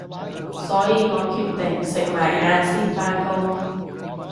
所以我決定食埋晏先返工